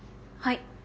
はい。